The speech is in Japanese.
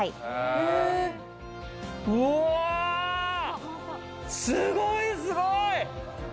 うわー、すごい、すごい！